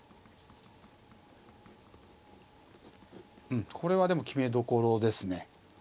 うんこれはでも決めどころですね。